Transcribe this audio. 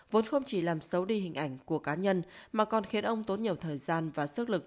vốn không chỉ làm xấu đi hình ảnh của cá nhân mà còn khiến ông tốn nhiều thời gian và sức lực